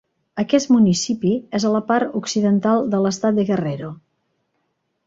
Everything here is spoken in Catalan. Aquest municipi és a la part occidental de l'estat de Guerrero.